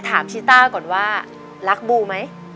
ถามชิต้าก่อนว่ารักบูหรือไหม